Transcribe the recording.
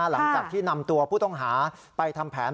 หลังจากที่นำตัวผู้ต้องหาไปทำแผน